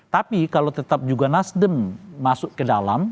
tapi kalau tetap juga nasdem masuk ke dalam